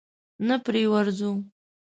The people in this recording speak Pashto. نه پرې ورځو؟